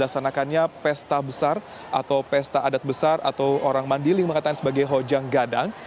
dilaksanakannya pesta besar atau pesta adat besar atau orang mandiling mengatakan sebagai hojang gadang